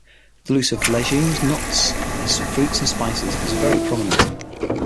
The use of legumes, nuts, fruits and spices is very prominent.